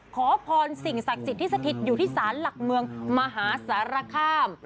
ขอพรสิ่งศักดิ์สิทธิ์ที่สถิตอยู่ที่ศาลหลักเมืองมหาสารคาม